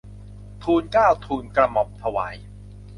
ทูลเกล้าทูลกระหม่อมถวาย